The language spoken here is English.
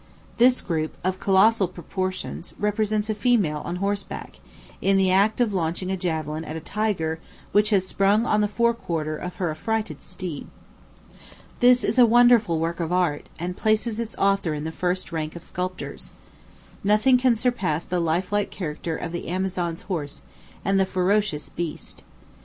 This group, of colossal proportions, represents a female on horseback, in the act of launching a javelin at a tiger which has sprung on the fore quarter of her affrighted steed. This is a wonderful work of art, and places its author in the first rank of sculptors. Nothing can surpass the lifelike character of the Amazon's horse and the ferocious beast.